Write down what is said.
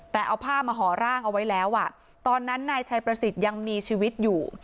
แต่เอาผ้ามาห่อร่างเอาไว้แล้วอ่ะตอนนั้นนายชัยประสิทธิ์ยังมีชีวิตอยู่